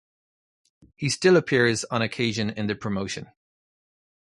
He still appears on occasion in the promotion.